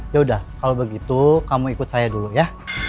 yaudah kalau begitu kamu ikut saya dulu ya